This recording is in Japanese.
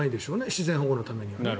自然保護のためには。